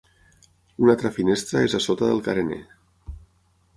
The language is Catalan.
Una altra finestra és a sota del carener.